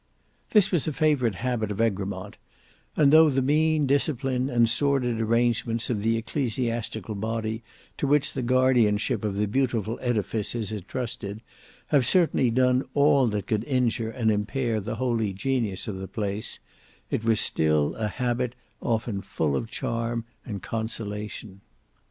This was a favourite habit of Egremont, and though the mean discipline and sordid arrangements of the ecclesiastical body to which the guardianship of the beautiful edifice is intrusted, have certainly done all that could injure and impair the holy genius of the place, it still was a habit often full of charm and consolation.